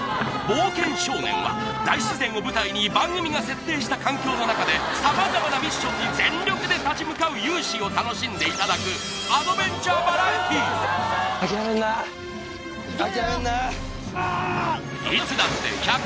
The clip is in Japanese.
「冒険少年」は大自然を舞台に番組が設定した環境の中で様々なミッションに全力で立ち向かう勇姿を楽しんでいただくいつだって１００％